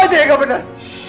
apa aja yang gak bener